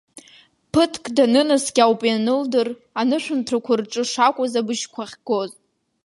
Ԥыҭк данынаскьа ауп ианылдыр, анышәынҭрақәа рҿы шакәыз абжьқәа ахьгоз.